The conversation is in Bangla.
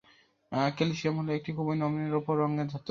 ক্যালসিয়াম হল একটি খুব নমনীয় রৌপ্য রঙের ধাতু।